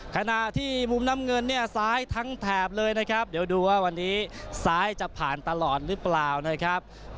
ขณะที่มุมน้ำเงินเนี่ยซ้ายทั้งแถบเลยนะครับเดี๋ยวดูว่าวันนี้ซ้ายจะผ่านตลอดหรือเปล่านะครับ